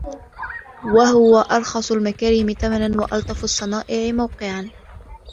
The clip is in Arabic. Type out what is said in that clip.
وَهُوَ أَرْخَصُ الْمَكَارِمِ ثَمَنًا وَأَلْطَفُ الصَّنَائِعِ مَوْقِعًا